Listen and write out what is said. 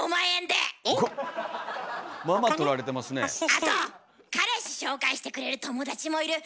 あと彼氏紹介してくれる友達もいる。